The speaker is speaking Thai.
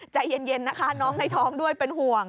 ใจเย็นนะคะน้องในท้องด้วยเป็นห่วง